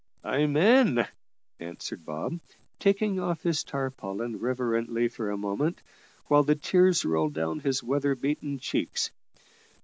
"Amen," answered Bob, taking off his tarpaulin reverently for a moment, while the tears rolled down his weather beaten cheeks.